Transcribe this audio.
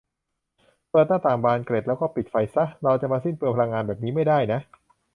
เปิดหน้าต่างบานเกล็ดแล้วก็ปิดไฟซะ เราจะมาสิ้นเปลืองพลังงานแบบนี้ไม่ได้นะ